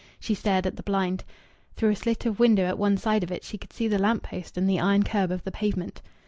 She stared at the blind. Through a slit of window at one side of it she could see the lamp post and the iron kerb of the pavement.